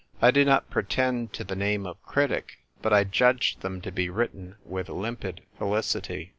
I do not pretend to the name of critic ; but I judged them to be written with limpid felicity.